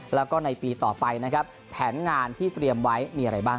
แล้วก็ในปีต่อไปนะครับแผนงานที่เตรียมไว้มีอะไรบ้าง